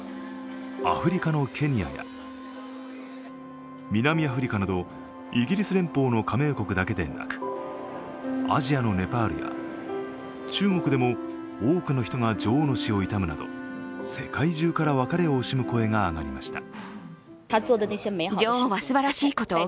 アフリカのケニアや南アフリカなどイギリス連邦の加盟国だけでなくアジアのネパールや中国でも多くの人が女王の死を悼むなど世界中から別れを惜しむ声が上がりました。